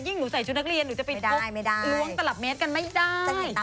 ยิ่งหนูใส่ชุดนักเรียนหนูจะไปเปลี่ยนมือล้างตลับแม้ดกันไม่ได้